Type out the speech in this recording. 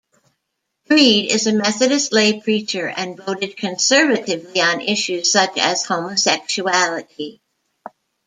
Breed is a Methodist lay preacher and voted conservatively on issues such as homosexuality.